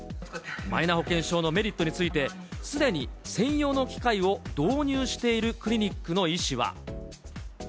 マイナ保険証のメリットについて、すでに専用の機械を導入しているクリニックの医師は。